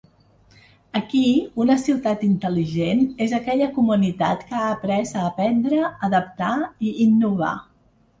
Aquí, una ciutat intel·ligent és aquella comunitat que ha après a aprendre, adaptar i innovar.